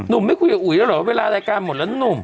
หนุ่มไม่คุยกับอุ๋ยแล้วหรอกว่าเวลารายการหมดแล้วนั่นหนุ่ม